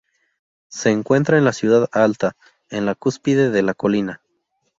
Se encuentra en la ciudad alta, en la cúspide de la colina.